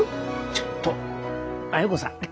ちょっと亜哉子さん。